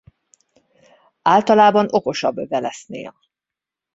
Általában okosabb Wallace-nál.